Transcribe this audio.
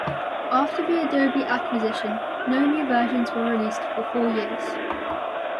After the Adobe acquisition, no new versions were released for four years.